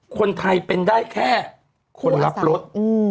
คนไทยเป็นได้แค่คนรับรถ